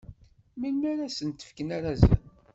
Melmi ara sen-fken arazen?